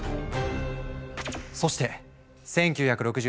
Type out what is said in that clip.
そして１９６１年４月。